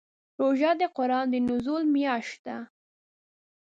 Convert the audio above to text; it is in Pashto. روژه د قران د نزول میاشت ده.